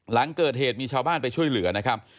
หลังเกิดเหตุมีชาวบ้านไปช่วยเหลือนะครับ